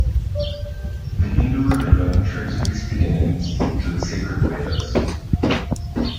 The Hindu religion traces its beginnings to the sacred Vedas.